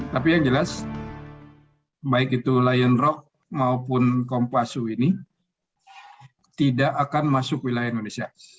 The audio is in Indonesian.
tapi yang jelas baik itu lion rock maupun kompasu ini tidak akan masuk wilayah indonesia